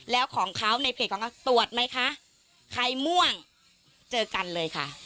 แล้วของเขาในเพจของเขาตรวจไหมคะใครม่วงเจอกันเลยค่ะ